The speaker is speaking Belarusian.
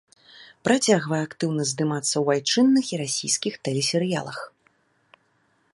Працягвае актыўна здымацца ў айчынных і расійскіх тэлесерыялах.